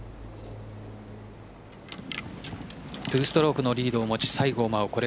２ストロークのリードを持ち西郷真央